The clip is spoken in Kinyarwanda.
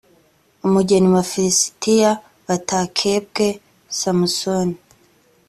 umugeni mu bafilisitiya batakebwe samusoni